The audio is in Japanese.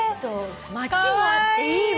マチもあっていいわ。